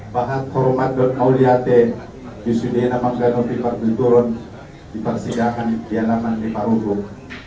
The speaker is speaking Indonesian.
bahagia dan maulia di sini dengan kemampuan untuk menurunkan persidangan di alaman kemampuan rukun